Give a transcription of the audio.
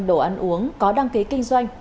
đồ ăn uống có đăng ký kinh doanh